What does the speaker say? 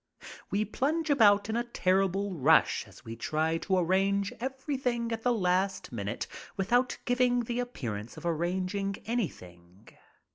We plunge about in a terrible rush as we try to arrange everything at the last minute without giving the appearance of arranging anything.